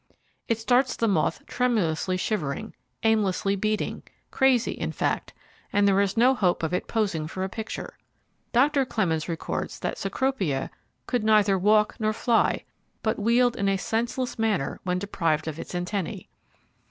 It starts the moth tremulously shivering, aimlessly beating, crazy, in fact, and there is no hope of it posing for a picture. Doctor Clemens records that Cecropia could neither, walk nor fly, but wheeled in a senseless, manner when deprived of its antennae.